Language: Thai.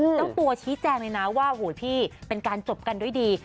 เจ้าตัวชี้แจงเลยนะว่าโหยพี่เป็นการจบกันด้วยดี